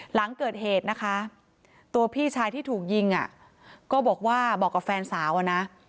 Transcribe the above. หลังเกิดเหตุนะคะตัวพี่ชายที่ถูกยิงอ่ะก็บอกว่าบอกกับแฟนสาวอะนะ